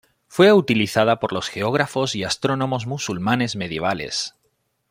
Fue utilizada por los geógrafos y astrónomos musulmanes medievales.